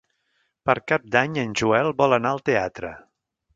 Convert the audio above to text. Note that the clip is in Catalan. Per Cap d'Any en Joel vol anar al teatre.